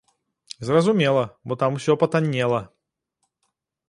Зразумела, бо там усё патаннела.